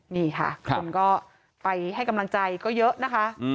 นี่ค่ะคนก็ไปให้กำลังใจก็เยอะนะคะ